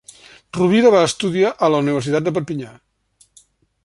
Rovira va estudiar a la Universitat de Perpinyà.